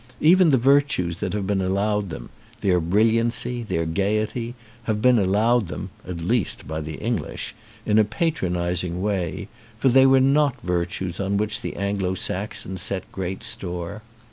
Even the virtues that have been allowed them, their brilliancy, their gaiety, have been allowed them (at least by the English) in a patronising way; for they were not virtues on which the Anglo Saxon set great store.